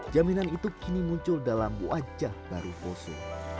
jaminan itu kini muncul dalam wajah baru poso